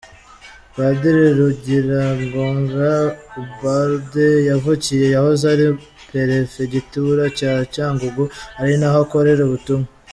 Padiri Rugirangoga Ubald yavukiye yahoze ari Perefegitura ya Cyangugu ari naho akorera ubutumwa.